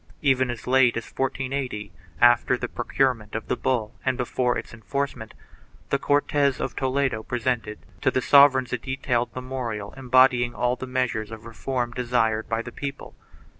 4 Even as late as 1480, after the pro curement of the bull and before its enforcement, the Cortes of Toledo presented to the sovereigns a detailed memorial embody ing all the measures of reform desired by the people.